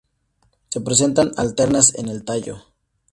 Se presentan alternas en el tallo.